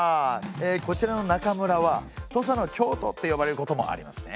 こちらの中村は土佐の京都って呼ばれることもありますね。